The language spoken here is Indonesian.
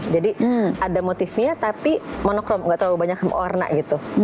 jadi ada motifnya tapi monokrom nggak terlalu banyak warna gitu